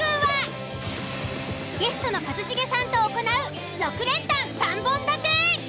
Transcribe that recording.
ゲストの一茂さんと行う６連単３本立て。